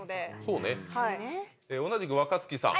そうね同じく若槻さん。